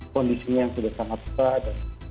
kondisinya sudah sangat besar